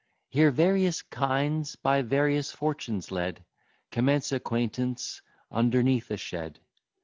Here various kinds, by various fortunes led, Commence acquaintance underneath a shed.